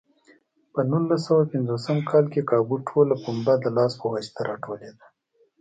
په نولس سوه پنځوس کال کې کابو ټوله پنبه د لاس په واسطه راټولېده.